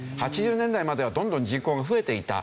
８０年代まではどんどん人口が増えていた。